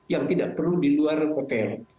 yang tidak perlu di luar hotel